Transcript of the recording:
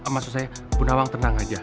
maksud saya bu nawang tenang aja